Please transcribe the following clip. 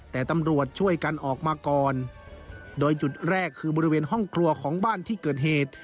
แต่ตำรวจช่วยกันออกมาก่อนโดยจุดแรกคือบริเวณห้องครัวของบ้านที่เกิดเหตุ